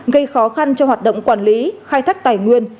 gây khó khăn cho hoạt động quản lý khai thác tài nguyên